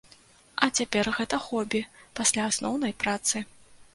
А цяпер гэта хобі пасля асноўнай працы.